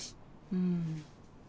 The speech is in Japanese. うん。